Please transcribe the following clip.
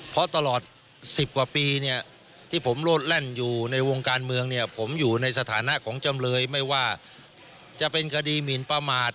เพราะตลอด๑๐กว่าปีเนี่ยที่ผมโลดแล่นอยู่ในวงการเมืองเนี่ยผมอยู่ในสถานะของจำเลยไม่ว่าจะเป็นคดีหมินประมาท